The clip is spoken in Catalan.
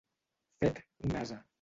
Fet un ase.